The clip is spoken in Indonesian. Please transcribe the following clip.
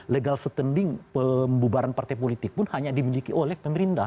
legal standing pembubaran partai politik pun hanya dimiliki oleh pemerintah